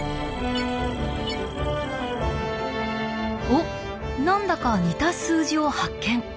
おっ何だか似た数字を発見。